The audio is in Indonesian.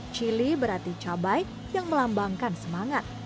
cili berarti cabai yang melambangkan semangat